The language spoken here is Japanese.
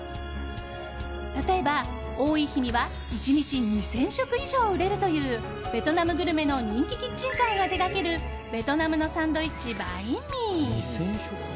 例えば、多い日には１日２０００食以上売れるというベトナムグルメの人気キッチンカーが手掛けるベトナムのサンドイッチバインミー。